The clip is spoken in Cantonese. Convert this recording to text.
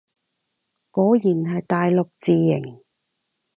果然係大陸字形